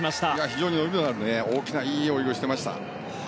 非常に大きないい泳ぎをしていました。